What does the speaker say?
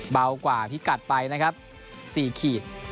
เบากว่าพิกัดไปนะครับ๔ขีด